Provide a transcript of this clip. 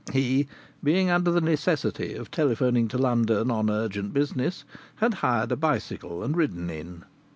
He, being under the necessity of telephoning to London on urgent business, had hired a bicycle and ridden in.